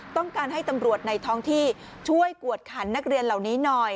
ต้องการให้ตำรวจในท้องที่ช่วยกวดขันนักเรียนเหล่านี้หน่อย